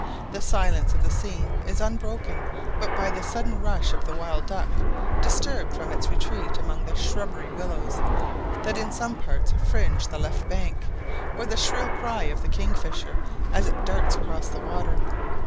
The silence of the scene is unbroken but by the sudden rush of the wild duck, disturbed from its retreat among the shrubby willows, that in some parts fringe the left bank, or the shrill cry of the kingfisher, as it darts across the water.